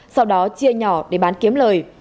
sau đó chia nhỏ để bán kiếm lời